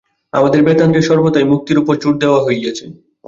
আমাদের বেদান্তে সর্বদাই মুক্তির উপর জোর দেওয়া হইয়াছে।